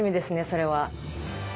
それは。